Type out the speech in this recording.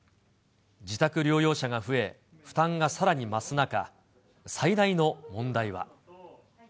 自宅療養者が増え、負担がさらに増す中、最大の問題は。